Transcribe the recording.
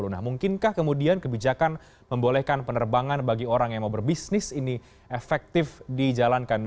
nah mungkinkah kemudian kebijakan membolehkan penerbangan bagi orang yang mau berbisnis ini efektif dijalankan